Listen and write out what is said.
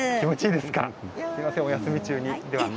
すみません、お休み中に。